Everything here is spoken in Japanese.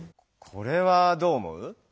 これはどう思う？